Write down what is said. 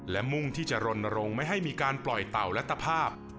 และมุ่งที่จะรณรงค์ไม่ให้มีการปล่อยเต่าและตภาพ